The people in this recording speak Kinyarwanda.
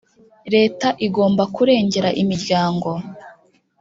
leta igomba kurengera imiryango,